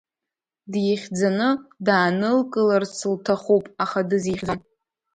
Дихьӡаны даанылкыларц лҭахуп, аха дызихьӡом.